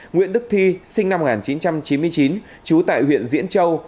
nguyễn đức thi sinh năm một nghìn chín trăm chín mươi chín trú tại huyện diễn châu